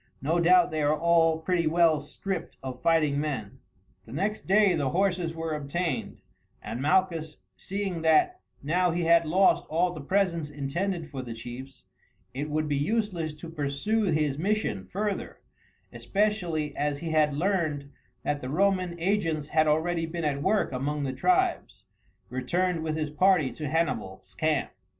No doubt they are all pretty well stripped of fighting men." The next day the horses were obtained, and Malchus, seeing that, now he had lost all the presents intended for the chiefs, it would be useless to pursue his mission further, especially as he had learned that the Roman agents had already been at work among the tribes, returned with his party to Hannibal's camp.